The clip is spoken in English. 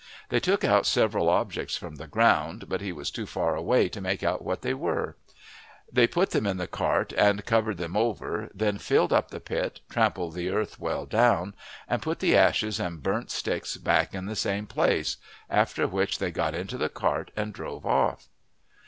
They took out several objects from the ground, but he was too far away to make out what they were. They put them in the cart and covered them over, then filled up the pit, trampled the earth well down, and put the ashes and burnt sticks back in the same place, after which they got into the cart and drove off.